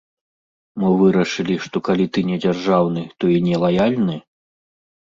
Мо вырашылі, што калі ты не дзяржаўны, то ты і не лаяльны?